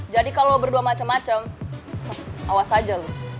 jadi kalo lo berdua macem macem awas aja lo